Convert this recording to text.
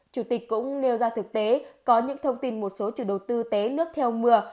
chủ tịch cũng nêu ra thực tế có những thông tin một số chủ đầu tư té nước theo mưa